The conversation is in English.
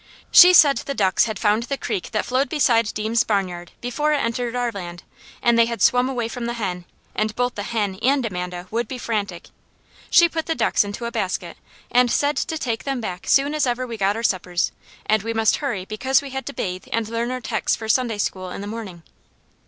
She said the ducks had found the creek that flowed beside Deams' barnyard before it entered our land, and they had swum away from the hen, and both the hen and Amanda would be frantic. She put the ducks into a basket and said to take them back soon as ever we got our suppers, and we must hurry because we had to bathe and learn our texts for Sunday school in the morning.